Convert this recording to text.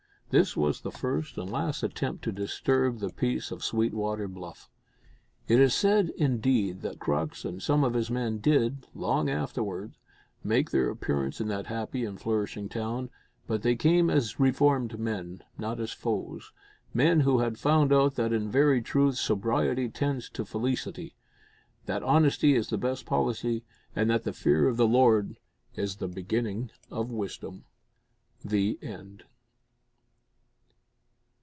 This was the first and last attempt to disturb the peace of Sweetwater Bluff. It is said, indeed, that Crux and some of his men did, long afterwards, make their appearance in that happy and flourishing town, but they came as reformed men, not as foes men who had found out that in very truth sobriety tends to felicity, that honesty is the best policy, and that the fear of the Lord is the beginning of wisdom. THE END.